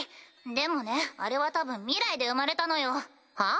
でもねあれは多分未来で生まれたのよ。は？